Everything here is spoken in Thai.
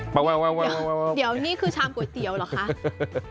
เดี๋ยวนี่คือชามก๋วยเตี๋ยวเหรอคะ